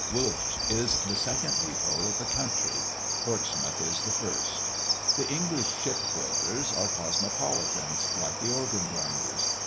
Woolwich is the second depot of the country; Portsmouth is the first. The English shipbuilders are cosmopolitans, like the organ grinders.